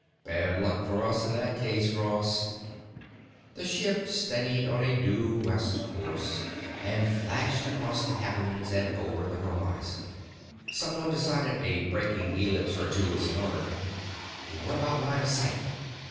"Bad luck for us in that case, Ross." The ship steadied on a due west course and flashed across the heavens and over the horizon. "Somebody decided a braking ellipse or two was in order. What about line of sight?"